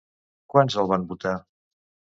Quants els van votar?